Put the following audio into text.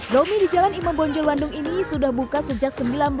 domi di jalan imam bonjol bandung ini sudah buka sejak seribu sembilan ratus sembilan puluh